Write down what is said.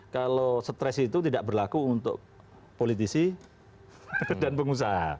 kalau stres itu tidak berlaku untuk politisi dan pengusaha